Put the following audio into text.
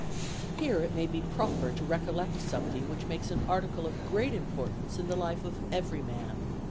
"Here it may be proper to recollect something which makes an article of great importance in the life of every man.